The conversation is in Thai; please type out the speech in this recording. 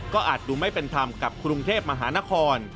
ก็อาจดูไม่เป็นธรรมกับกรุงเทพมหานคร